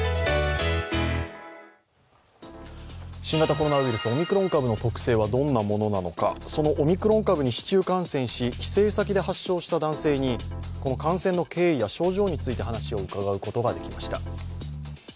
新型コロナウイルス、オミクロン株の特性はどんなものなのか、そのオミクロン株に市中感染し発症した男性に感染の経緯や症状について話を伺うことができました。